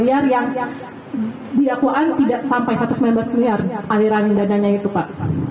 aliran dana nya itu pak